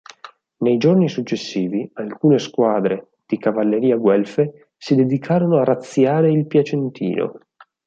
Nei giorni successivi alcune squadre di cavalleria guelfe si dedicarono a razziare il piacentino.